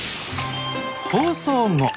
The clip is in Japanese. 放送後